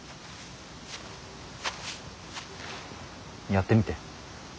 やってみて。